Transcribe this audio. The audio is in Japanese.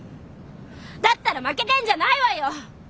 だったら負けてんじゃないわよ！